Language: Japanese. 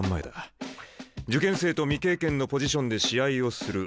「受験生と未経験のポジションで試合をする」。